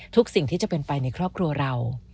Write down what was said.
สิ่งที่จะเป็นไปในครอบครัวเรา